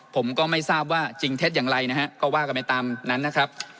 ผมก็ไม่ทราบว่าจริงเท็จอย่างไรนะฮะก็ว่ากันไปตามนั้นนะครับ